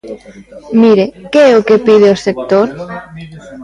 Mire, ¿que é o que pide o sector?